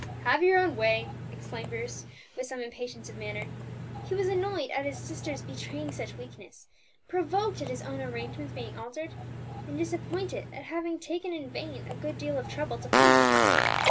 "Have your own way!" exclaimed Bruce, with some impatience of manner. He was annoyed at his sister's betraying such weakness, provoked at his own arrangements being altered, and disappointed at having taken in vain a good deal of trouble to please.